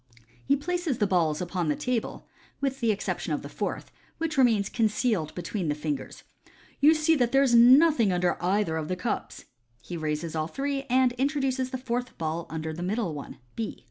'* He places the balls upon the table, with the exception of the fourth, which remains con cealed between the fingers. u You see that there is nothing under either of the cups." He raises all three, and introduces the fourth ball under the middle one (B).